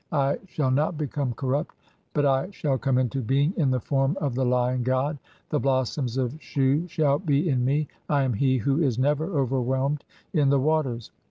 1 I shall "not become corrupt, but I shall come into being in the form "of the Lion god ; the blossoms of Shu shall be in mc. I am "he who is never overwhelmed in the waters.